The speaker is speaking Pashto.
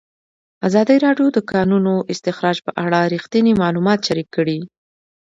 ازادي راډیو د د کانونو استخراج په اړه رښتیني معلومات شریک کړي.